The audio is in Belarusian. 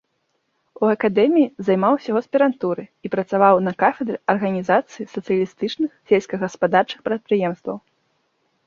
У акадэміі займаўся ў аспірантуры і працаваў на кафедры арганізацыі сацыялістычных сельскагаспадарчых прадпрыемстваў.